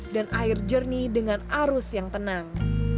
dan air jernih dengan arus yang tenang